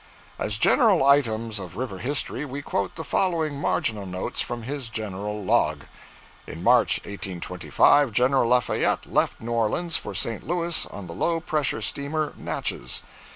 'As general items of river history, we quote the following marginal notes from his general log 'In March, 1825, Gen. Lafayette left New Orleans for St. Louis on the low pressure steamer "Natchez."